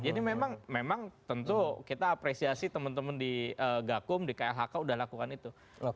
jadi memang tentu kita apresiasi teman teman di gakum di klhk sudah lakukan itu